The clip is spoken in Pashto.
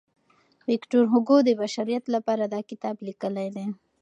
ویکټور هوګو د بشریت لپاره دا کتاب لیکلی دی.